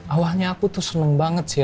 awalnya aku tuh seneng banget sih